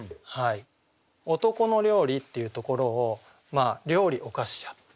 「男の料理」っていうところを「料理をかしや」。